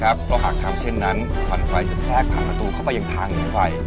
เพราะหากทำเช่นนั้นควันไฟจะแทรกผ่านประตูเข้าไปยังทางหนีไฟ